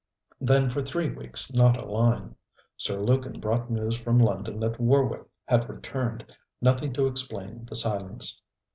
Then for three weeks not a line. Sir Lukin brought news from London that Warwick had returned, nothing to explain the silence.